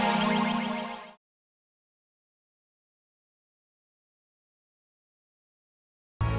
jangan mau kita lihat